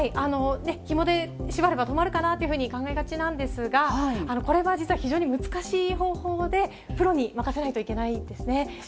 ひもで縛れば止まるかなというふうに考えがちなんですが、これは実は非常に難しい方法で、プロに任せないといけないんですね。